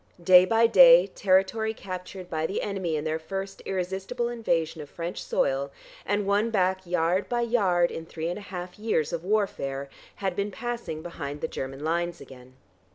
Day by day territory captured by the enemy in their first irresistible invasion of French soil, and won back yard by yard in three and a half years of warfare, had been passing behind the German lines again.